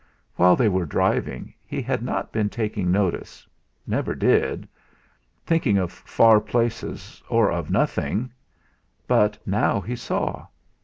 While they were driving he had not been taking notice never did; thinking of far things or of nothing but now he saw!